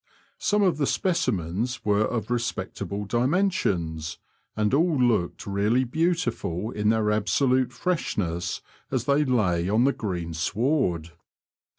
Some of the specimens were of respectable dimensions, and all looked really beautiful in their absolute freshness as they lay on the green sward.